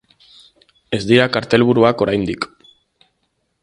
Ez dira kartelburuak, oraindik.